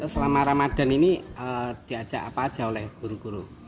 selama ramadhan ini diajak apa aja oleh guru guru